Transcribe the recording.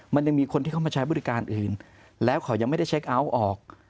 มันยังมีคนที่เข้ามาใช้บริการอื่นแล้วเขายังไม่ได้เช็คเอาท์ออก